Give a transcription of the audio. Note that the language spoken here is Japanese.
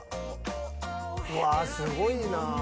うわすごいな。